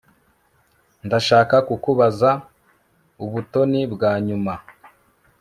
Ndashaka kukubaza ubutoni bwa nyuma